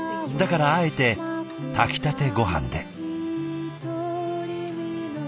だからあえて炊きたてごはんで。